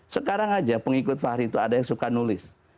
sekarang aja pengikut fahri itu ada yang suka nulis